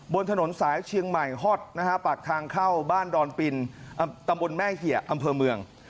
บนถนนสายเชียงใหม่ฮอตนะฮะปากทางเข้าบ้านดอนปินตำบลแม่เหี่ยอำเภอเมือง